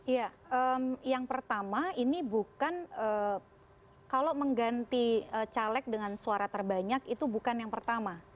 ya yang pertama ini bukan kalau mengganti caleg dengan suara terbanyak itu bukan yang pertama